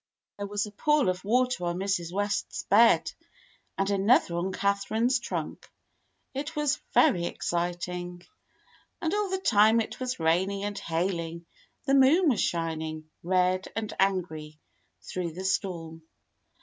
There was a pool of water on Mrs. West's bed, and another on Catherine's trunk. It was very exciting! And all the time it was raining and hailing the moon was shining, red and angry, through the storm.